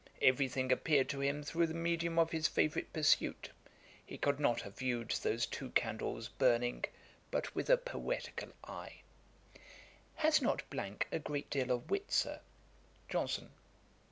Every thing appeared to him through the medium of his favourite pursuit. He could not have viewed those two candles burning but with a poetical eye.' 'Has not a great deal of wit, Sir?' JOHNSON.